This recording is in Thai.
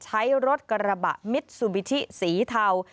ใช้รถกระบะมิสุบิทิศีเทา